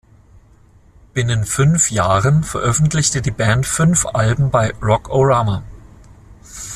Binnen fünf Jahren veröffentlichte die Band fünf Alben bei Rock-O-Rama.